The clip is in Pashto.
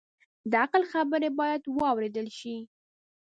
د عقل خبرې باید واورېدل شي